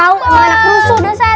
tau kamu anak rusuk dah sar